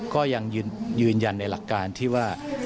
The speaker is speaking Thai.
ก็ยังยืนยันในหลักการที่ว่า